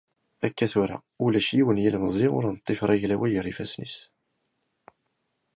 Akka tura, ulac yiwen n yilemẓi ur neṭṭif ara aglaway gar yifassen-is.